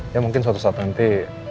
ya mungkin suatu saat nanti